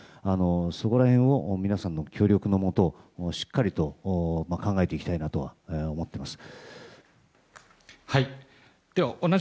そこら辺を皆さんの協力のもとしっかりと考えていきたいとは思っています。